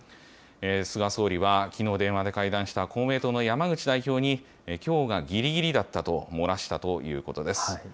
菅総理は、きのう電話で会談した公明党の山口代表に、きょうがぎりぎりだったと漏らしたということです。